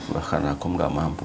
bahkan aku tidak mampu